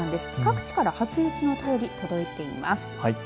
各地から初雪の便り届いています。